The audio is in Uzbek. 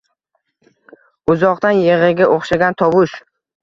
Uzoqdan yig’iga o’xshagan tovush